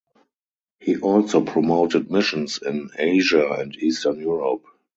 He also promoted missions in Asia and Eastern Europe.